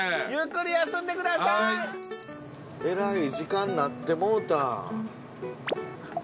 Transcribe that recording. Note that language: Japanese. えらい時間になってもうた。